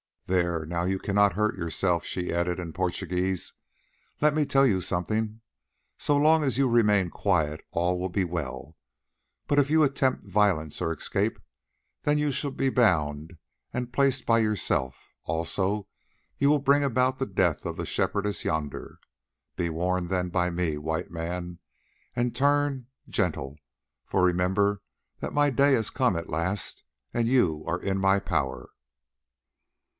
"There, now you cannot hurt yourself," she added in Portuguese. "Let me tell you something: so long as you remain quiet all will be well, but if you attempt violence or escape, then you shall be bound and placed by yourself, also you will bring about the death of the Shepherdess yonder. Be warned then by me, White Man, and turn gentle, for remember that my day has come at last and you are in my power."